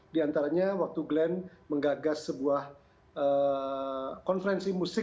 di antaranya waktu glenn menggagas sebuah konferensi musik